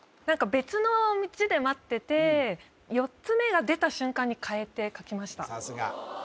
何か別の字で待ってて４つ目が出た瞬間に変えて書きました